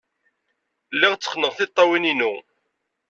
Lliɣ tteqqneɣ tiṭṭawin-inu.